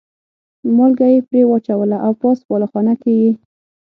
مالګه یې پرې واچوله او پاس بالاخانه کې یې.